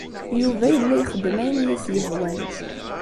Yuba yella ixeddem ayen i as-yehwan.